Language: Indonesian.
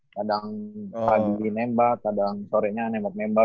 kadang pagi nembak kadang sore nya nembak nembak